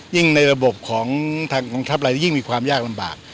ยิ่งในระบบของทางของทัพรายยิ่งมีความยากลำบาก